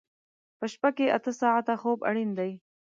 په شپه کې اته ساعته خوب اړین دی.